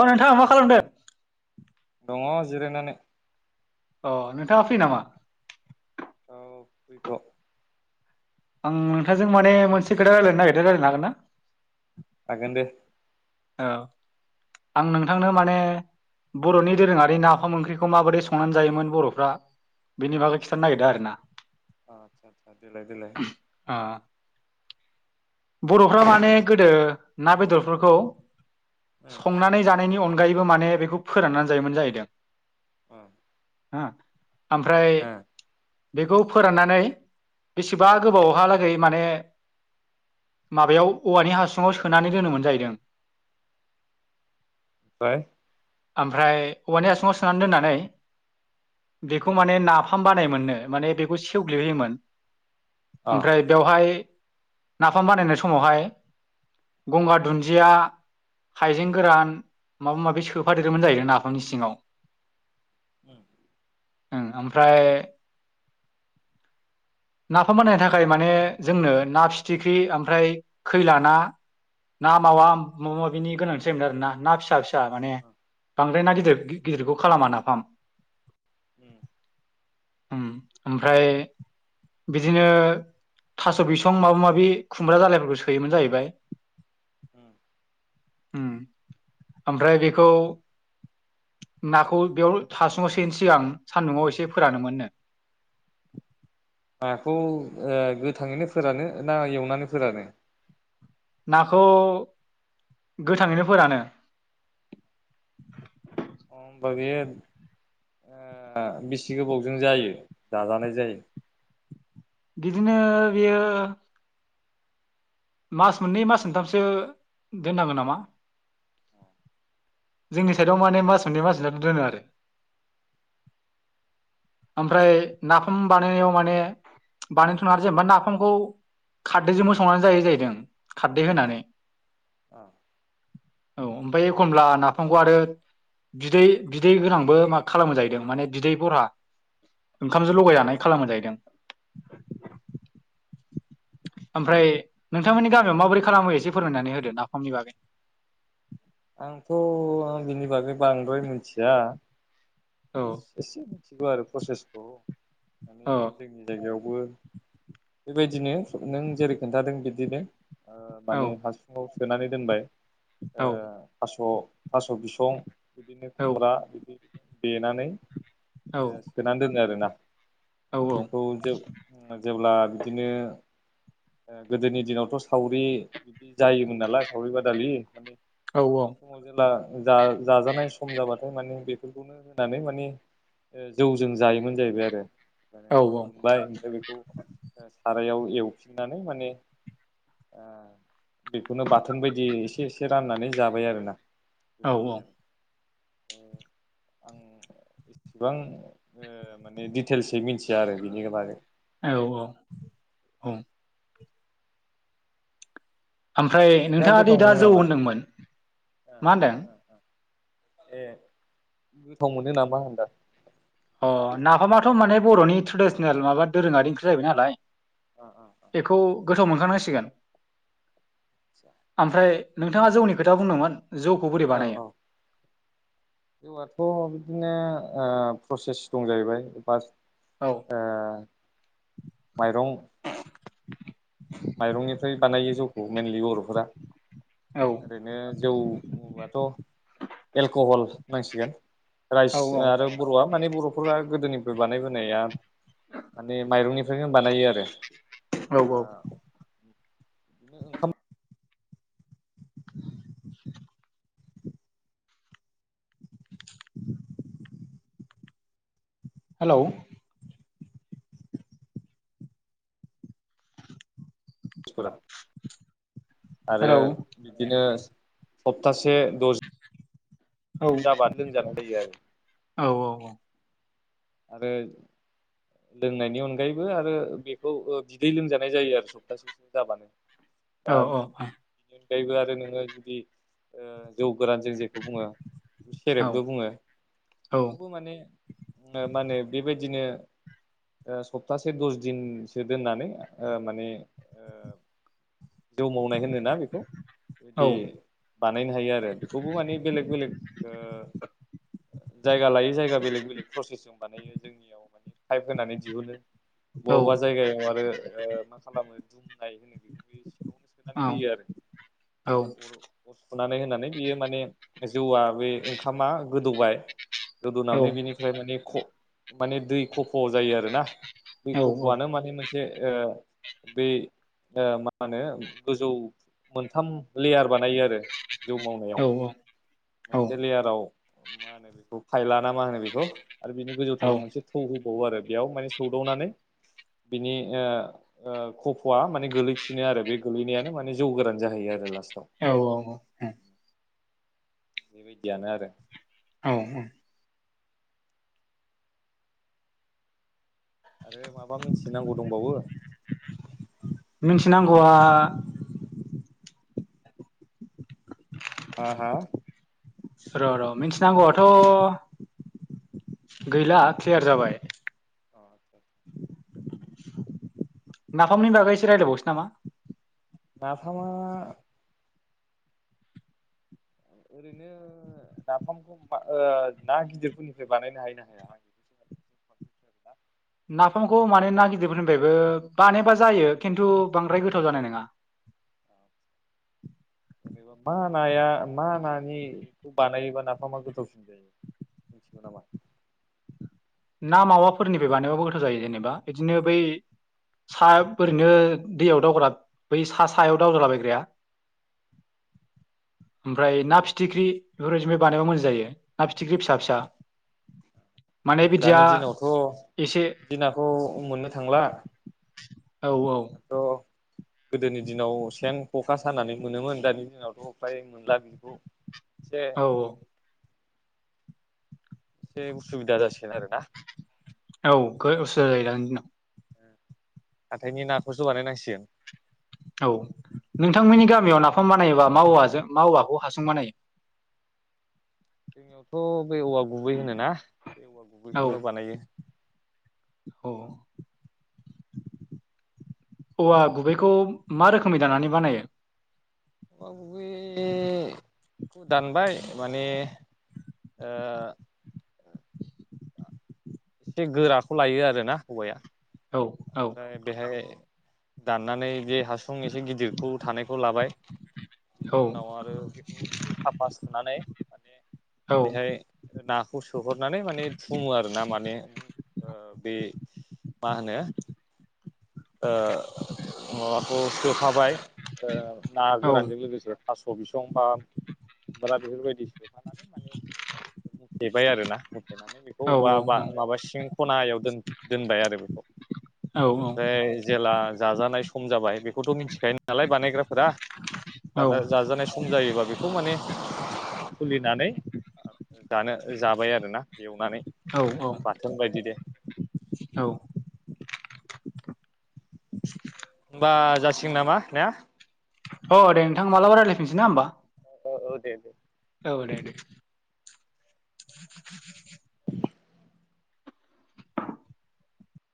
अ नोंथाङा मा खालामदों? दङ जिरायनानै। अ नोंथाङा फ्री नामा? औ फ्रिथ'। आं नोंथांजों माने मोनसे खोथा रायजलायनो नागिरदों आरो ना नोंथां रायजलायनो हागोन ना? हागोन दे। औ आं नोंथांनो माने बर'नि दोरोङारि नाफाम ओंख्रिखौ माबोरै संनानै जायोमोन बर'फ्रा बिनि बागै खिन्थानो नागिरदों आरो ना। अ आतसा आतसा देलाय -देलाय। ओ बर'फ्रा माने गोदो ना बेदरफोरखौ उम संनानै जानायनि अनगायैबो माने बेखौ फोराननानै जायोमोन जाहैदों। [inaudible] हो ओमफ्राय उम बेखौ फोराननानै बेसेबा उम गोबावहालागै माने माबायाव औवानि हासुङाव सोनानै दोनोमोन जाहैदों। [unintelligible] ओमफ्राय औवानि आसुङाव सोननानै दोननानै बेखौ माने नाफाम बानायमोननो माने बेखौ सेवग्लिहोयोमोन। अ ओमफ्राय बेवहाय नाफाम बानायनाय समावहाय गंगार दुन्दिया हायजें गोरान माबा माबि सोफादेरोमोन जाहैदों नाफामनि सिङाव। उम ओं ओमफ्राय नाफाम बानायनो थाखाय माने जोंनो ना फि फिथिख्रि ओमफ्राय खैला ना ना मावा माबा माबिनि गोनांथि जायोमोन आरो ना ना फिसा फि सा माने उम बांद्राय ना उम गिदिर गिदिरखौ खालामा नाफाम। उम उम ओमफ्राय बिदिनो थास' बिसं माबा माबि बि खुमब्रा जालायफोरखौ सोयोमोन जाहैबाय हम उम ओमफ्राय बेखौ नाखौ बेयाव हासुंआव सोयिनि सिगां सान्दुआव एसे फोरानोमोननो [inaudible] नाखौ ओ गोथाङैनो फोरानो ना एवनानै फोरानो नाखौ गोथाङैनो फोरानो अ ओमबा बियो ओ बेसे गोबावजों जायो जाजानाय जायो। बिदिनो बियो मास मोननै मास मोनथामसो दोननांगोन नामा जोंनि साइडाव माने मास मोननै मासमोनथाम' दोनो आरो [inaudible] ओमफ्राय नाफाम बानायनायाव माने बानायथ'नानै जेनबा नाफामखौ खारदैजोंबो संनानै जायो जाहै जों खारदै होनानै [inaudible] औ ओमफ्राय एखमब्ला नाफामखौ आरो बिदै बिदै गोनांबो मा खालामो जाहैदों माने बिदै बरहा ओंखामजों लगायजानाय खालामो जाहैदों। [inaudible] ओमफ्राय नोंथांमोननि गामियाव माबोरै खालामो एसे फोरमायनानै होदो नाफामनि बागै। आंथ' बिनि बागै बांद्राय मिथिया औ जास एसे मिथिगौ आरो प्रसेसखौ माने औ जोंनि जायगायाव बो बेबायदिनो नों जेरै खोन्थादों बिदिनो ओ औ माने हासुङाव सोनानै दोनबाय ओ औ थास' थास' बिसं बिदिनो औ खुमब्रा बिदि देनानै औ ओ सोनानै दोनो आरोना औ ओफ्राय बेखौ जो जेब्ला बिदिनो गोदोनि दिनावथ' सावरि जायोमोन नालाय सावरि बादालि माने औ समाव जेला जा जाजानाय सम जाबाथाय माने बेखौ खौनो होनानै माने ओ जौजों जायोमोन जाहैबाय आरो औ दिहुनबाय ओमफ्राय बेखौ ओ सारायाव एवफिननानै माने आ बेखौनो बाथोन बायदि एसे एसे राननानै जाबाय आरोना औ बेबायदि आरो ओ आं इसेबां ओ माने दिटेल्सै मिथिया आरो बेनि बागै औ औ औ ओमफ्राय नोंथाङा गोथाव दैै दा मोनो जौ नामा? होनदोंमोन ओ मा होनदों? ओ ओ ए गोथाव मोनो नामा होनदां अ नाफामाथ' माने बर'नि ट्रेडिसनेल माबा दोरोङारि ओंख्रि जाहैबाय नालाय ओ ओ ओ बेखौ गोथौ मोनखानांसिगोन ओमफ्राय नोंथाङा जौनि खोथा बुंदोंमोन। जौखौ बोरै औ बानायो औ जौआथ' बिदिनो ओ प्रसेस दं जाहैबायास औ ओ माइरं माइरंनिफ्राय बानायो जौखौ मेनलि बर'फोरा औ ओरैनो जौ बुंबाथ' एलक'हल होननांसिगोन। राइस औ औ आरो बर'आ माने बर' न'खरा गोदोनिफ्राय बानायबोनाया माने माइरंनिफ्रायनो बानायो आरो औ ओ औ बिदिनो ओंखाम [unintelligible] हेल' आरो हेलौ बिदिनो सप्तासे द औ जायो औ औ औ आरो लोंनायनि अनगायैबो आरो बेखौ बिदै लोंजानाय जायो आरो सप्तासेसो जाबानो दा औ बिनि अनगायबो आरो नोङो जुदि जौ गोरान जों जेखौ बुङो बे सेरेबबो बुङो औ बेखौबो माने ओ मा होनो बेबायदिनो ओ सप्तासे दस दिनसो दोननानै ओ माने दोनबाय नांगोन होनदोंना बेखौ औ बिदि बानायनो हायो आरो बेखौबो माने बेलेग बेलेग ओ जायगा लायै जायगा बेलेग बेलेग प्रसेसजों बानायो जोंनियाव माने पाइप होनानै दिहुनो बबेबा जायगायाव आरो ओ मा खालामो दुमनाय होनो बेखौ बे सिङावनो सोनानै औ होयो आरो औ औ [unintelligible] सुनानै होनानै बियो माने जौआ बे ओंखामा गोदौबाय औ गोदौनानै बिनि ओमफ्राय माने माने दै खफ'आव जायो आरो ना दै औ खफ'आनो माने मोनसे बे ओ बे ओ माने गोजौ मोनथाम लेयार बानायो आरो जौ मावनायाव मोनसे लेयाराव मा होनो बेखौ फाइल ना मा होनो बेखौ आरो बेनि औ गोजौथाराव मोनसे थौ होबावो आरो बेयाव माने सौदावनानै बिनि ओ ओ खफ'आ माने गोलैफिनो आरो बे गोलैनायानो माने जौ गोरान जाहैयो आरो ना औ औ ओं बेबायदियानो आरो औ उम आरो माबा मिथि नांगौ दंबावो मिथिनांगौआ आ हा र' र' मिथिनांगौआथ' गैला क्लियार जाबाय नाफामनि बागै इसे रायलायबावनोसै नामा नाफाम आ ओरैनो नाफामखौ ओ ना गिदिरफोरनिफ्राय बानायनो हायो ना हाया [inaudible] नाफामखौ माने ना गिदिरफोरनिफ्रायबो बानायोबा जायो खिन्थु बांद्राय गोथाव जानाय नङा जेनेबा मा नाया मा नानिखौ बानायोबा नाफामा गोथावसिन जायो। मिथिगौ नामा? ना मावाफोरनिफ्राय बानायबाबो गोथाव जायो जेनेबा बिदिनो बै सा ओरैनो दैयाव दावग्रा बै सा सायाव दावग्राला बायग्राया [inaudible] ओमफ्राय ना फिथिख्रि बेफोर बायदिबो बानायबा मोजां जायो ना फिथिख्रि फिसा फिसा माने बि दानि दिनावथ' दिनाथ' मोननो थांला औ औ दाथ' गोदोनि दिनाव सेन खखा सानानै मोनोमोन दानि दिनावथ' फ्राय मोनला बिखौ औ औ एसे उसुबिदा जासिगोन आरोना औ खोब असुबिदा जायो दानि दिनाव हाथाइनि नाखौसो बानायनांसिगोन औ नोंथांमोननि गामियाव नाफाम बानायोबा मा औवाजों मा औवाखौ हासुं बानायो [inaudible] जोंनियावथ' बे औवा गुबै होनोना बे औवा गुबैखौनो बानायो अ औवा गुबैखौ मा रोखोमनि दाननानै बानायो? औवा गुबै दानबाय माने ओ एसे गोराखौ लायो आरोना औवाया औ औ ओमफ्राय बेहाय दाननानै बे हासुं एसे गिदिरखौ थानायखौ लाबाय औ बिनि उनाव आरो बेखौ एसे साफा सुनानै माने औ बेहाय होना खौ सोहरनानै माने फुमो आर ना माने बे मा होनो ओ माबाखौ सोफाबाय ओ ना औ गोरानजों लोगोसे थास' बिसं बा माबा बेफोरबायदि सफानानै माने मुथेबाय आरोना होथेनानै बेखौ औ बा बा माबा सिं खना याव दोनबाय आरो बेखौ औ ओमफ्राय जेला जाजानाय सम जाबाय बेखौथ' मिथि खायो नालाय बानायग्राफोरा औ जाजानाय सम जायोबा बेखौ माने खुलिनानै दानो जानो जाबाय आरोना एवनानै औ बाथोन बायदि दे औ [inaudible] बा जासिगोन नामा ने अ दे नोंथा मालाबा राय्लायफिनोसै ना होमबा औ औ दे दे औ दे नोंथां [inaudible]